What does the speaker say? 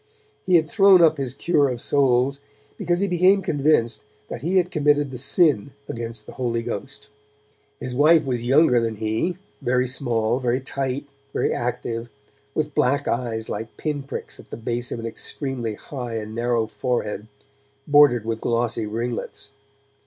He had thrown up his cure of souls, because he became convinced that he had committed the Sin against the Holy Ghost. His wife was younger than he, very small, very tight, very active, with black eyes like pin pricks at the base of an extremely high and narrow forehead, bordered with glossy ringlets.